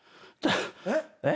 えっ？